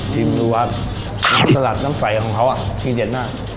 ชิมดูว่าน้ำสลัดน้ำใสของเขาอ่ะที่เด็ดมาก